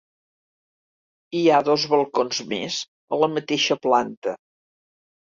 Hi ha dos balcons més a la mateixa planta.